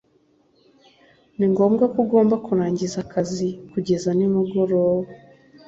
ni ngombwa ko ugomba kurangiza akazi kugeza nimugoroba